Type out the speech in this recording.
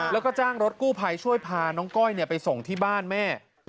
แล้วก็จ้างรถกู้ภัยช่วยพาน้องก้อยไปส่งที่บ้านแม่